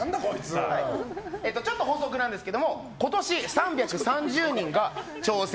ちょっと補足なんですが今年、３３０人が挑戦。